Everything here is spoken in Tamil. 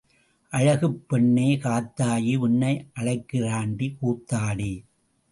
அழகுப் பெண்ணே காத்தாயி, உன்னை அழைக்கிறாண்டி கூத்தாடி.